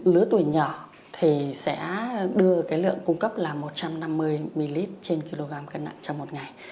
lứa tuổi nhỏ thì sẽ đưa cái lượng cung cấp là một trăm năm mươi ml trên kg cân nặng trong một ngày